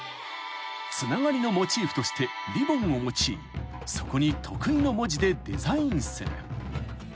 ［つながりのモチーフとしてリボンを用いそこに得意の文字でデザインする］